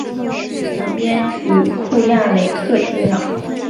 南边与库雅雷克接壤。